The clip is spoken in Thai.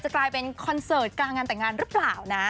กลายเป็นคอนเสิร์ตกลางงานแต่งงานหรือเปล่านะ